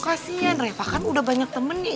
kasian reva kan udah banyak temennya